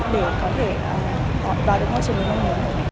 để có thể vào được mọi trường hợp học